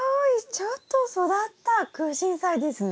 ちょっと育ったクウシンサイですね。